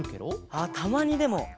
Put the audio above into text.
あったまにでもある。